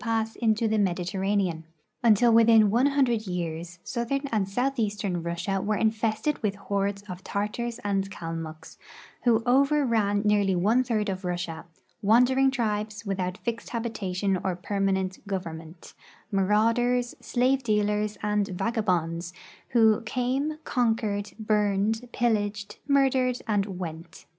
s into the Mediterranean. Until within one hundred years southern and southeastern Russia were infested with hordes of Tartars and Kalmucks, who overran nearly one third of Russia — wandering tribes without fixed habitation or permanent govern ment, " marauders, slave dealers, and vagabonds,'' who " came, compiered, burned, ])illaged, murdered, and went.